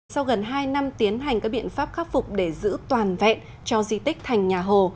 sau gần hai năm tiến hành các biện pháp khắc phục để giữ toàn vẹn cho di tích thành nhà hồ